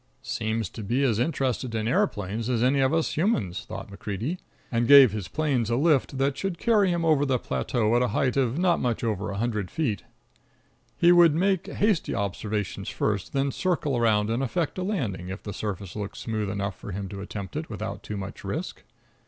"Seem to be as interested in aeroplanes as any of us humans," thought MacCreedy, and gave his planes a lift that should carry him over the plateau at a height of not much over a hundred feet. He would make a hasty observation first, then circle around and effect a landing, if the surface looked smooth enough for him to attempt it without too much risk.